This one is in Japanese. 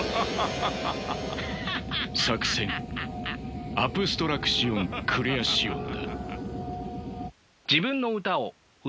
作戦アプストラクシオン・クレアシオンだ。